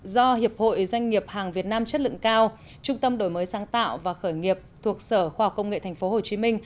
do hiệp hội doanh nghiệp hàng việt nam chất lượng cao trung tâm đổi mới sáng tạo và khởi nghiệp thuộc sở khoa học công nghệ tp hcm